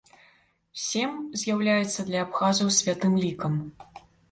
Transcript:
Сем з'яўляецца для абхазаў святым лікам.